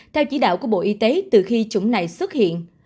theo chỉ đạo của bộ y tế từ khi chủng này xuất hiện